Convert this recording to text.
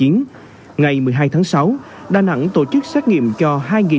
ngày một mươi hai tháng sáu đà nẵng tổ chức xét nghiệm cho hai bảy trăm linh